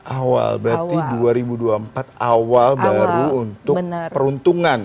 awal berarti dua ribu dua puluh empat awal baru untuk peruntungan